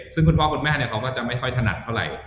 ซึ่งคุณพ่อคุณแม่เขาก็จะไม่ค่อยถนัดเท่าไหร่